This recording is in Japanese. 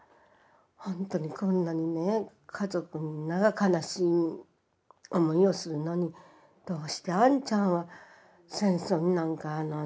ほんとにこんなにね家族みんなが悲しい思いをするのにどうしてあんちゃんは戦争になんか出たんだろうかと思ってね。